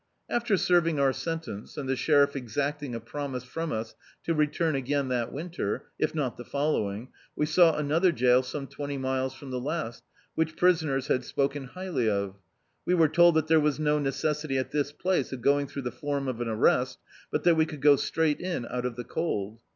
(7'] D,i.,.db, Google The Autobiography of a Super Tramp After serving our sentence, and the sheriff exact ing a promise from us to return agun that winter, if not the following, we sou^t another jail some twenty miles from the last, which prisoners had spoken highly of. We were told that diere was no necessity at this place of going through the form of an arrest, but that we could go strai^t in out of the cold.